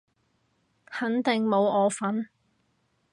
肯定冇我份